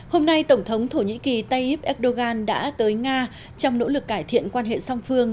hôm nay tổng thống thổ nhĩ kỳ tayyip erdogan đã tới nga trong nỗ lực cải thiện quan hệ song phương